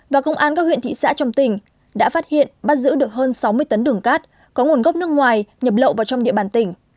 và công an các huyện thị xã trong tỉnh đã phát hiện bắt giữ được hơn sáu mươi tấn đường cát có nguồn gốc nước ngoài nhập lậu vào trong địa bàn tỉnh